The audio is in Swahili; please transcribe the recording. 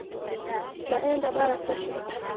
Naenda bara kesho